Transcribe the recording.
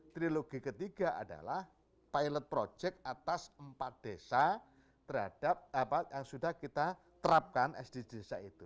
trilogi ketiga adalah pilot project atas empat desa terhadap apa yang sudah kita terapkan sdg desa itu